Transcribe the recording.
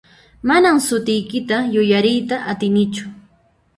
Manan sutiykita yuyariyta atinichu.